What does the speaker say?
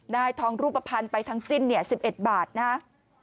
ได้ทองรูปภัณฑ์ไปทั้งสิ้นเนี่ย๑๑บาทนะฮะ